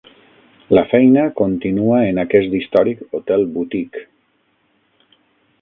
La feina continua en aquest històric hotel boutique.